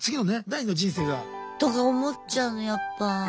第二の人生が。とか思っちゃうのやっぱ。